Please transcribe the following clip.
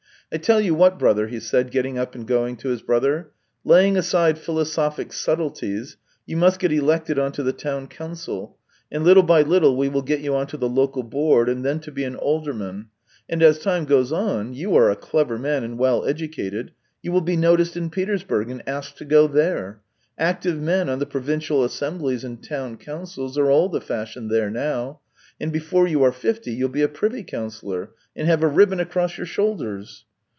" I tell you what, brother," he said, getting up and going to his brother. " Laying aside philo sophic subtleties, you must get elected on to the town council, and little by little we will get you on to the Local Board, and then to be an alderman. And as time goes on — you are a clever man and well educated — you will be noticed in Petersburg and asked to go there — active men on the provincial assemblies and town councils are all the fashion there now — and before you are fifty you'll be a privy councillor, and have a ribbon across your shoulders."